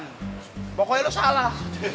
hai pokoknya salah